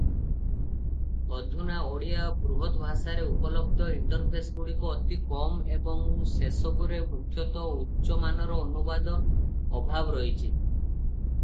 ଅଧୁନା ଓଡ଼ିଆ ବୃହତଭାଷାରେ ଉପଲବ୍ଧ ଇଣ୍ଟରଫେସଗୁଡ଼ିକ ଅତି କମ ଏବଂ ସେସବୁରେ ମୁଖ୍ୟତଃ ଉଚ୍ଚ ମାନର ଅନୁବାଦର ଅଭାବ ରହିଛି ।